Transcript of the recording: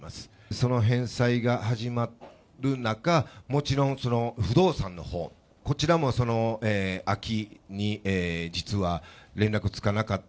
その返済が始まる中、もちろん、その不動産のほう、こちらもその秋に、実は連絡つかなかった、